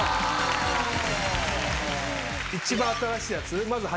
一番新しいやつ。